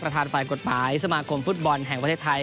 ประธานฝ่ายกฎหมายสมากรมฟุตบอลแห่งวัฒนาไทย